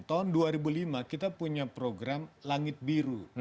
tahun dua ribu lima kita punya program langit biru